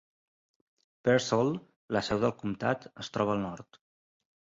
Pearsall, la seu del comtat, es troba al nord.